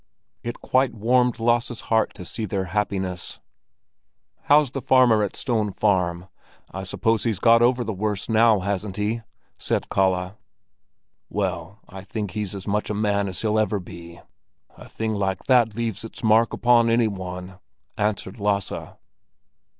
It quite warmed Lasse's heart to see their happiness. "How's the farmer at Stone Farm? I suppose he's got over the worst now, hasn't he?" said Kalle. "Well, I think he's as much a man as he'll ever be. A thing like that leaves its mark upon any one," answered Lasse.